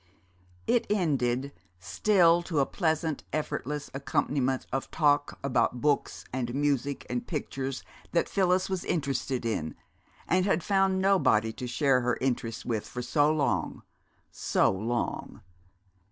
It ended, still to a pleasant effortless accompaniment of talk about books and music and pictures that Phyllis was interested in, and had found nobody to share her interest with for so long so long!